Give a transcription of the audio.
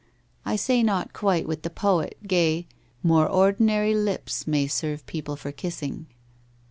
I say, not quite with the poet Gay —" More ord'nary lips may serve people for kissing!"